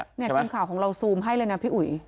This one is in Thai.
อันนี้คนข่าวของเราซูมไหมที่อุ๋ย